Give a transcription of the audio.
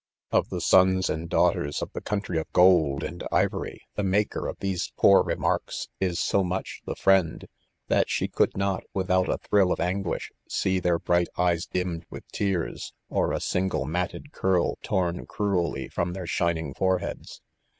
Of the sons and daughters of the country of gold and ivory, the maker of these poor remarks Is so much the friend, that she could not, without a thrill of anguish, see their bright eyes dimmed with tears, or a single matted curl torn cruelly from their shining foreheads.